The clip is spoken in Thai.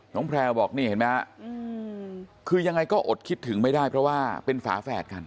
แพลวบอกนี่เห็นไหมฮะคือยังไงก็อดคิดถึงไม่ได้เพราะว่าเป็นฝาแฝดกัน